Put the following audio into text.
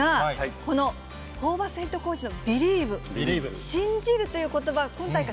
このホーバスヘッドコーチのＢＥＬＩＥＶＥ、信じるということば、今大会